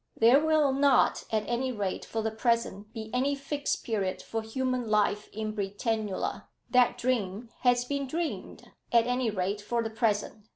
"There will not, at any rate for the present, be any Fixed Period for human life in Britannula. That dream has been dreamed, at any rate for the present.